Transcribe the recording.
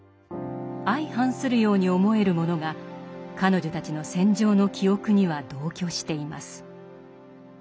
相反するように思えるものが彼女たちの戦場の記憶には同居しています。